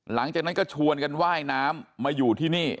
หลังจากนั้นก็ชวนกันว่ายน้ำมาอยู่ที่นี่